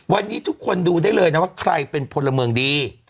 วันนี้ทุกคนดูได้เลยนะว่าใครเป็นพลเมืองดี